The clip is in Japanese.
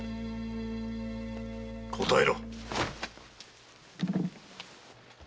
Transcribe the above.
答えろ！